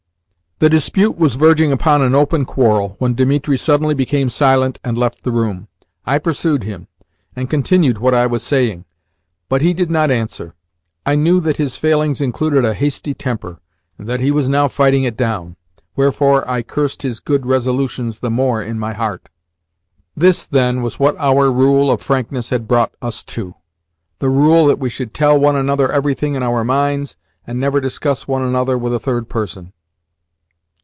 The dispute was verging upon an open quarrel when Dimitri suddenly became silent, and left the room. I pursued him, and continued what I was saying, but he did not answer. I knew that his failings included a hasty temper, and that he was now fighting it down; wherefore I cursed his good resolutions the more in my heart. This, then, was what our rule of frankness had brought us to the rule that we should "tell one another everything in our minds, and never discuss one another with a third person!"